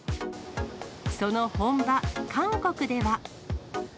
その本場、韓国では。